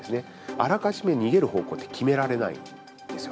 あらかじめ逃げる方向って決められないんですよ。